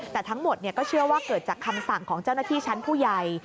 แต่ทั้งหมดก็เชื่อว่าเกิดจากคำสั่งของเจ้าหน้าที่ชั้นผู้ใหญ่